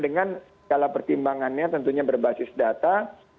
dengan segala pertimbangannya tentunya berbasis data